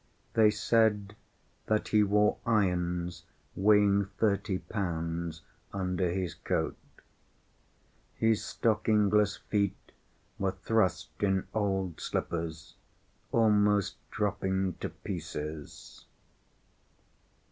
They said that he wore irons weighing thirty pounds under his coat. His stockingless feet were thrust in old slippers almost dropping to pieces.